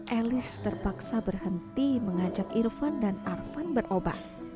alice terpaksa berhenti mengajak irvan dan arvan berobat